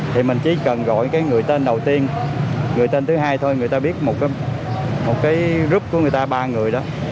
thì mình chỉ cần gọi cái người tên đầu tiên gửi tên thứ hai thôi người ta biết một cái group của người ta ba người đó